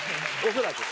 恐らく。